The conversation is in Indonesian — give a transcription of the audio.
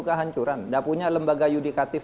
kehancuran tidak punya lembaga yudikatif